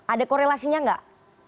ada korelasinya enggak